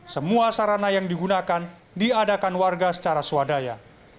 semua sarana yang digunakan diadakan warga secara swadaya